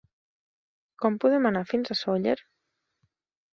Com podem anar fins a Sóller?